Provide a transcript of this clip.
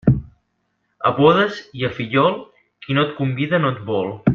A bodes i a fillol, qui no et convida no et vol.